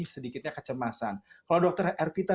sedikitnya kecemasan kalau dr hervita